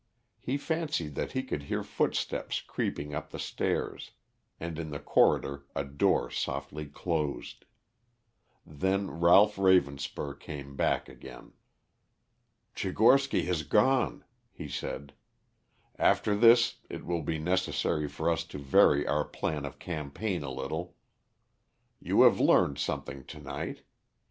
He fancied that he could hear footsteps creeping up the stairs, and in the corridor a door softly closed. Then Ralph Ravenspur came back again. "Tchigorsky has gone," he said. "After this it will be necessary for us to vary our plan of campaign a little. You have learned something to night.